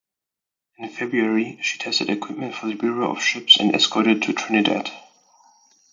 In February, she tested equipment for the Bureau of Ships and escorted to Trinidad.